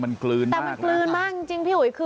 มันกลืนมาก